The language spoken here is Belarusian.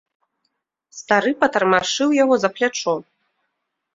Стары патармашыў яго за плячо.